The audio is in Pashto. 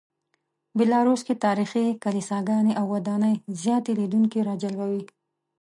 بیلاروس کې تاریخي کلیساګانې او ودانۍ زیاتې لیدونکي راجلبوي.